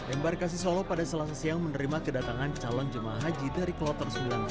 embarkasi solo pada selasa siang menerima kedatangan calon jemaah haji dari kloter sembilan puluh sembilan